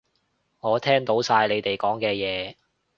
我聽到晒你哋講嘅嘢